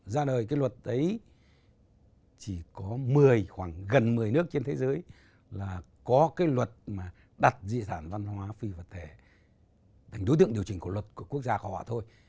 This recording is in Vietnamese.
ra đời cái luật ấy chỉ có một mươi khoảng gần một mươi nước trên thế giới là có cái luật mà đặt di sản văn hóa phi vật thể thành đối tượng điều chỉnh của luật của quốc gia của họ thôi